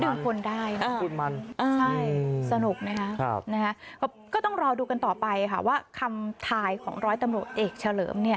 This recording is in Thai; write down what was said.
ค่ะต้องเปิดดูจริงแล้วดื่มคนได้นะครับสนุกนะครับก็ต้องรอดูกันต่อไปค่ะว่าคำทายของร้อยตำรวจเอกเฉลิมเนี่ย